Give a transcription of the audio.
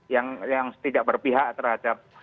yang tidak berpihak terhadap